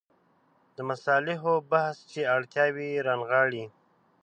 د مصالحو بحث چې اړتیاوې رانغاړي.